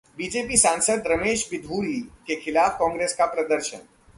BJP सांसद रमेश बिधूड़ी के खिलाफ कांग्रेस का प्रदर्शन